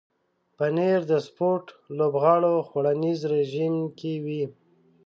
پنېر د سپورت لوبغاړو خوړنیز رژیم کې وي.